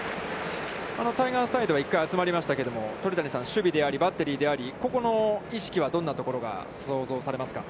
タイガースサイドは１回集まりましたけれども、鳥谷さん、守備であり、バッテリーであり、ここの意識はどんなところが想像されますか。